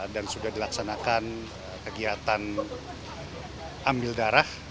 dan sudah dilaksanakan kegiatan ambil darah